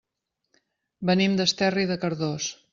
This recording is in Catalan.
Venim d'Esterri de Cardós.